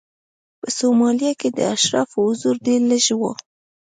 په سومالیا کې د اشرافو حضور ډېر لږ و.